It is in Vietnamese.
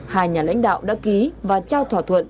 hai nhà lãnh đạo đã ký và trao thỏa thuận